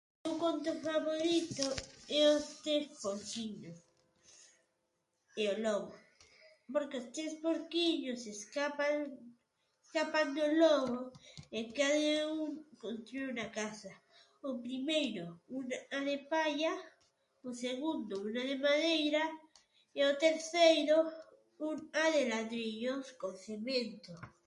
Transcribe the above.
O meu conto favorito é os tres porquiños e o lobo porque os tres porquiños escapan, escapan do lobo e cada un constrúe unha casa: o primeiro unha palla, o segundo unha de madeira e o terceiro unha de ladrillos con cemento.